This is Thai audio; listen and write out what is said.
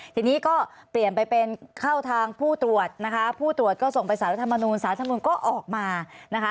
ทีนี้ก็เปลี่ยนไปเป็นเข้าทางผู้ตรวจนะคะผู้ตรวจก็ส่งไปสารรัฐมนูลสารธรรมนุนก็ออกมานะคะ